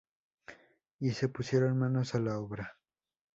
Y se pusieron manos a la obra.